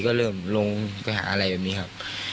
ก็เริ่มลงไปหาอะไรแบบนี้ครับ